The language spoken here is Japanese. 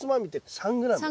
３ｇ。